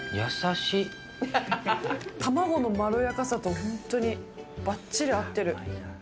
卵のまろやかさと本当にばっちり合ってる。